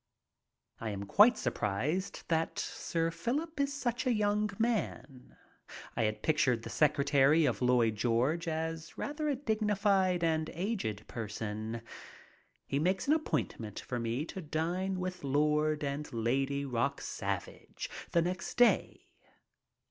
I am quite surprised that Sir Philip is such a young man. I had pictured the secretary of Lloyd George as rather a dignified and aged person. He makes an appointment for me to dine with Lord and Lady Rock Savage the next day.